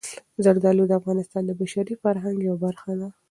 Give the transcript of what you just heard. زردالو د افغانستان د بشري فرهنګ یوه برخه ده.